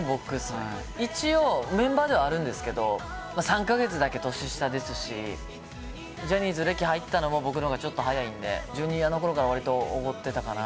一応メンバーではあるんですけど、３か月だけ年下ですし、ジャニーズ歴、入ったのも僕のほうがちょっと早いんで、ジュニアのころからわりとおごってたかな。